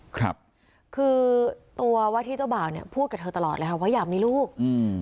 ครับคือตัวว่าที่เจ้าบ่าวเนี้ยพูดกับเธอตลอดเลยค่ะว่าอยากมีลูกอืม